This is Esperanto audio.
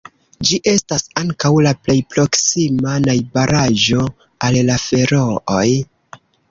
Ĝi estas ankaŭ la plej proksima najbaraĵo al la Ferooj.